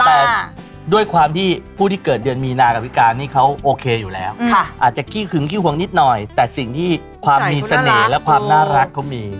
แต่ด้วยความที่ผู้ที่เกิดเดือนมีนากับพี่การนี่เขาโอเคอยู่แล้วอาจจะขี้ขึงขี้ห่วงนิดหน่อยแต่สิ่งที่ความมีเสน่ห์และความน่ารักเขามี